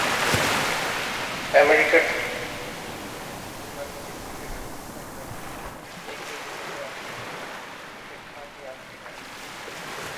আমেরিকার ধর্মমহাসম্মেলনে অন্যান্য ব্যক্তিদের সহিত একজন নিগ্রো যুবকও আসিয়াছিল, সে খাঁটি আফ্রিকার নিগ্রো।